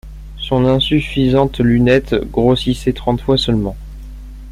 Son insuffisante lunette grossissait trente fois seulement.